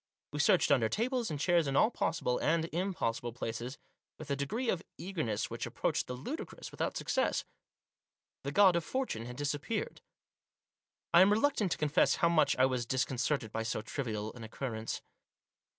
We searched under tables and chairs in all possible and impossible places, with a degree of eagerness which approached the ludicrous, without success. The God of Fortune had disappeared. I am reluctant to confess how much I was dis concerted by so trivial an occurrence.